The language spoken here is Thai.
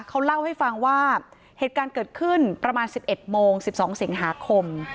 เขาเล่าให้ฟังว่าเหตุการณ์เกิดขึ้นประมาณ๑๑โมง๑๒สิงหาคม